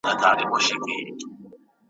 ډېر بېحده ورته ګران وو نازولی ,